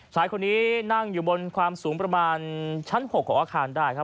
ชายคนนี้นั่งอยู่บนความสูงประมาณชั้น๖ของอาคารได้ครับ